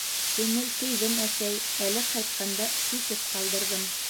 — Шинель кейҙем, әсәй, әле ҡайтҡанда сисеп ҡалдырҙым.